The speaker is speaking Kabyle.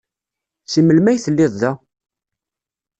Seg melmi ay telliḍ da?